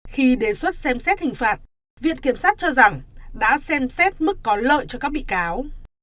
khi đề xuất xem xét hình phạt viện kiểm sát cho rằng đã xem xét mức có lợi cho các bị cáo